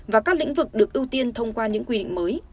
và các lĩnh vực được ưu tiên thông qua những quy định mới